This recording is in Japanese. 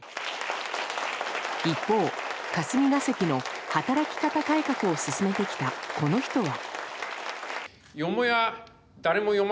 一方、霞が関の働き方改革を進めてきたこの人は。